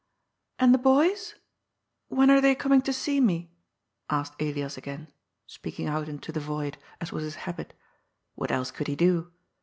" And the boys ? When are they coming to see me ?" asked Elias again, speaking out into the void, as was his habit — ^what else could he do?